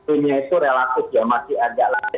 ini itu relatif